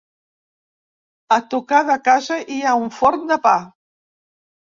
A tocar de casa hi ha un forn de pa.